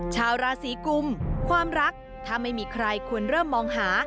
ชาวราศีกุมความรักถ้าไม่มีใครควรเริ่มมองหา